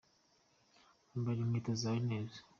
Ambara inkweto zawe neza.